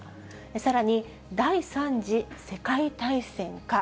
さらに第３次世界大戦か。